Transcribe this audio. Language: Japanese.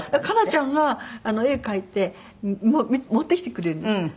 佳奈ちゃんが絵描いて持ってきてくれるんです。